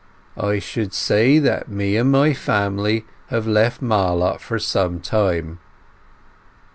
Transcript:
J should say that me and my Family have left Marlott for some Time.